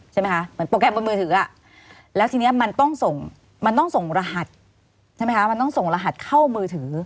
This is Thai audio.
ใช่ไหมคะเหมือนโปรแกรมบนมือถือแล้วทีนี้มันต้องส่งรหัสเข้ามือถือ